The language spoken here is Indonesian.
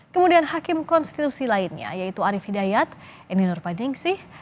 kemudian hakim konstitusi lainnya yaitu arief hidayat eni nurpadingsih